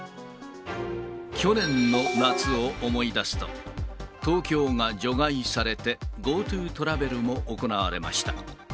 去年の夏を思い出すと、東京が除外されて、ＧｏＴｏトラベルも行われました。